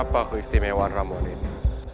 apa keistimewaan ramuan ini